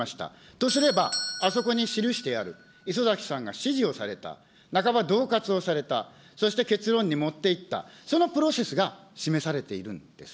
とすれば、あそこに記してある礒崎さんが指示をされた、なかばどう喝をされた、そして結論に持っていった、そのプロセスが示されているんです。